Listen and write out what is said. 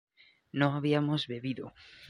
no habíamos bebido